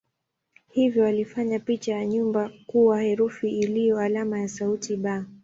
Hivyo walifanya picha ya nyumba kuwa herufi iliyo alama ya sauti "b".